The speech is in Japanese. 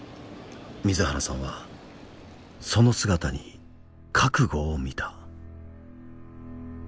水原さんはその姿に覚悟を見た。